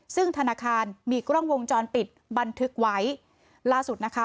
ซึ่งธนาคารมีกล้องวงจรปิดบันทึกไว้ล่าสุดนะคะ